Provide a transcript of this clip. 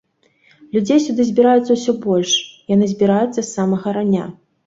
Людзей сюды збіраецца ўсё больш, яны збіраюцца з самага рання.